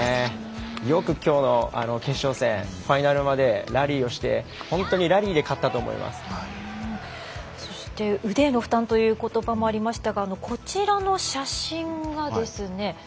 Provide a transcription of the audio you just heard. よくきょうの決勝戦ファイナルまでラリーをしてそして、腕への負担ということばもありましたがこちらの写真がですね